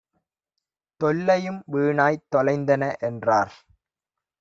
தொல்லையும் வீணாய்த் தொலைந்தன" என்றார்.